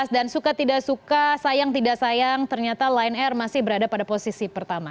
dan suka tidak suka sayang tidak sayang ternyata line air masih berada pada posisi pertama